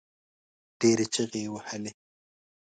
ډېرې چيغې يې وهلې.